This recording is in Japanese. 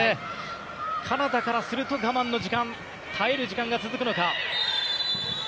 カナダからすると、我慢の時間耐える時間が続くのか。